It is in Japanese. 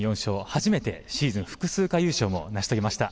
初めてシーズン複数回優勝もなし遂げました。